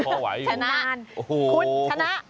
แต่ผมพอไหวอยู่โอ้โฮชนะคุณชนะ